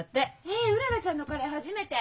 へえうららちゃんのカレー初めて！